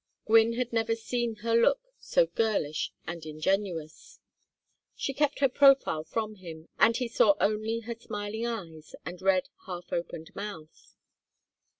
Gwynne had never seen her look so girlish and ingenuous. She kept her profile from him and he saw only her smiling eyes and red half opened mouth.